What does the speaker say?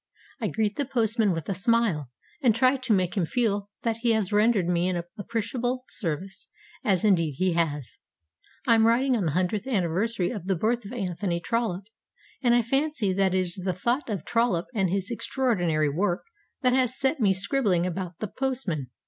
I greet the postman with a smile, and try to make him feel that he has rendered me an appreciable service, as indeed he has. I am writing on the hundredth anniversary of the birth of Anthony Trollope, and I fancy that it is the thought of Trollope and his extraordinary work that has set me scribbling about the postman.